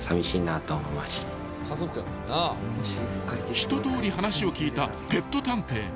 ［ひととおり話を聞いたペット探偵］